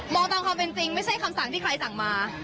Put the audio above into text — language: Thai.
ตามความเป็นจริงไม่ใช่คำสั่งที่ใครสั่งมา